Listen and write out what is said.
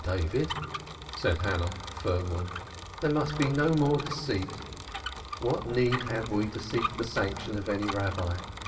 David," said Hannah firmly. "There must be no more deceit. What need have we to seek the sanction of any Rabbi?